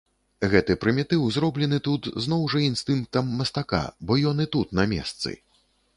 Гэты прымітыў зроблены тут зноў жа інстынктам мастака, бо ён і тут на месцы.